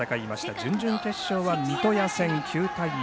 準々決勝は三刀屋戦、９対１。